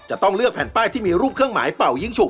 จะต้องเลือกแผ่นป้ายที่มีรูปเครื่องหมายเป่ายิ้งฉุก